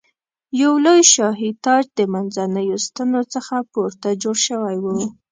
یو لوی شاهي تاج د منځنیو ستنو څخه پورته جوړ شوی و.